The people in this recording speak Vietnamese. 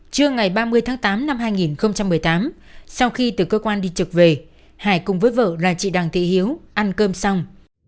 trưa ngày ba mươi tháng tám năm hai nghìn một mươi tám sau khi từ cơ quan đi trực về hải cùng với vợ là chị đặng thị hiếu ăn cơm xong